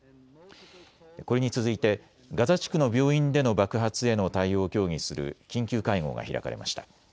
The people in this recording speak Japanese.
これに続いてガザ地区の病院での爆発への対応を協議する緊急会合が開かれました。